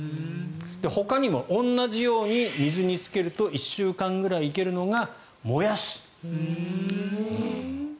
ほかにも同じように水につけると１週間ぐらいいけるのがモヤシ。